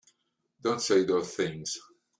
Don't say those things!